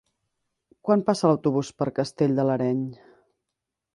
Quan passa l'autobús per Castell de l'Areny?